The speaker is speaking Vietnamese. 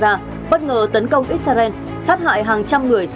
gaza bất ngờ tấn công israel sát hại hàng trăm người